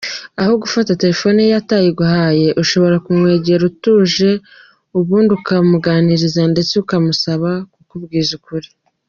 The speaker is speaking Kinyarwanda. Aho gufata telefoni ye atayiguhaye, ushobora kumwegera utuje ubundi ukabimuganirizaho ndetse ukamusaba kukubwiza ukuri.